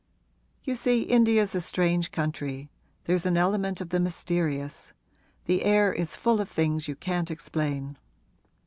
You see India's a strange country there's an element of the mysterious: the air is full of things you can't explain.'